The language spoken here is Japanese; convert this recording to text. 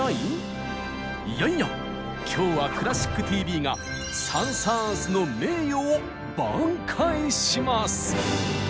いやいや今日は「クラシックＴＶ」がサン・サーンスの名誉を挽回します。